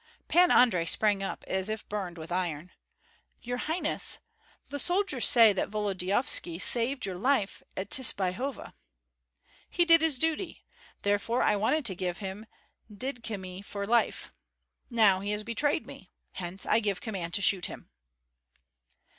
'" Pan Andrei sprang up as if burned with iron: "Your highness, the soldiers say that Volodyovski saved your life at Tsibyhova." "He did his duty; therefore I wanted to give him Dydkyemie for life. Now he has betrayed me; hence I give command to shoot him."